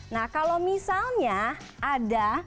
nah kalau misalnya ada